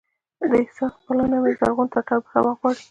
د احساس پلونه مې زرغون ټټر سبا غواړي